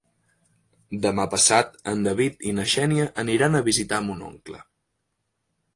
Demà passat en David i na Xènia aniran a visitar mon oncle.